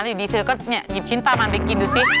อยู่ดีเธอก็หยิบชิ้นปลามันไปกินดูสิ